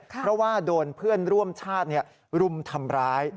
เพราะว่าโดนเพื่อนร่วมชาติรุมทำร้าย